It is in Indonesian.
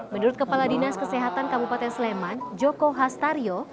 menurut kepala dinas kesehatan kabupaten sleman joko hastario